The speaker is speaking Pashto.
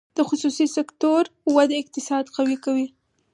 د خصوصي سکتور وده اقتصاد قوي کوي